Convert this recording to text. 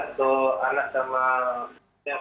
untuk anak sama siang sudah